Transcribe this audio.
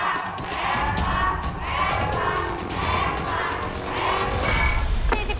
แพงกว่าแพงกว่าแพงกว่า